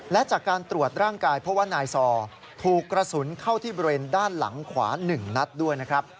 และจากการตรวจร่างกายเพราะว่านายซอถูกกระสุนเข้าที่บริเวณด้านหลังขวา๑นัดด้วยนะครับ